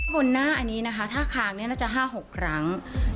บนหน้าอันนี้นะคะถ้าคางเนี่ยน่าจะ๕๖ครั้ง